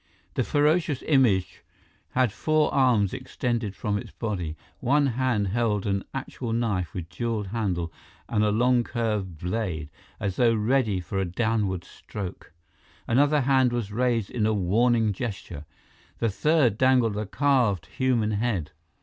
The ferocious image had four arms extended from its body. One hand held an actual knife with jeweled handle and long curved blade, as though ready for a downward stroke. Another hand was raised in a warning gesture. The third dangled a carved human head.